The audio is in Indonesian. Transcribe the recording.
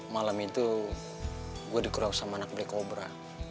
malam itu gue dikurau sama anak black cobra